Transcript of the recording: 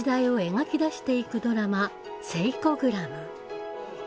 描き出していくドラマ「セイコグラム」。